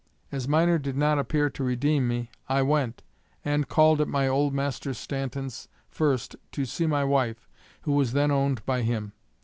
As Miner did not appear to redeem me I went, at called at my old master Stanton's first to see my wife, who was then owned by him.